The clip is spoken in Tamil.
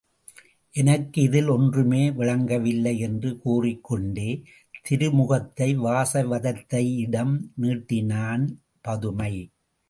எனக்கு இதில் ஒன்றுமே விளங்கவில்லை என்று கூறிக்கொண்டே திருமுகத்தை வாசவதத்தையிடம் நீட்டினாள் பதுமை.